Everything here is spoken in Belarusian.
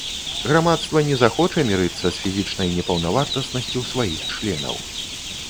Грамадства не захоча мірыцца з фізічнай непаўнавартаснасцю сваіх членаў.